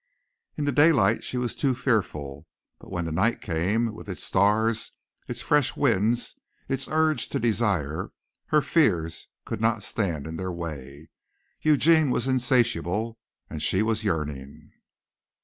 In the daylight she was too fearful, but when the night came with its stars, its fresh winds, its urge to desire, her fears could not stand in their way. Eugene was insatiable and she was yearning.